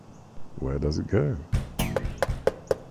Where does it go?